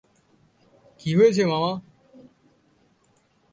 কী হয়েছে, মামা?